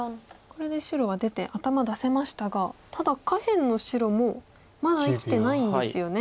これで白は出て頭出せましたがただ下辺の白もまだ生きてないんですよね